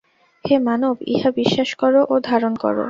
হে মানব, ইহা বিশ্বাস কর ও ধারণ কর।